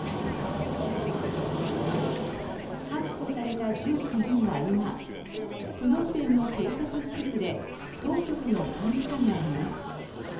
確保された１９人は今プノンペンの警察施設で当局の監視下にあります。